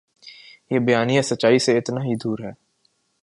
یہ بیانیہ سچائی سے اتنا ہی دور ہے۔